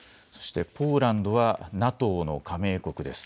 ポーランドはＮＡＴＯの加盟国です。